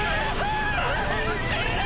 死ぬ！